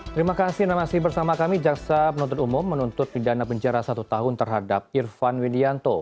terima kasih namasi bersama kami jaksa penuntut umum menuntut pidana penjara satu tahun terhadap irfan widianto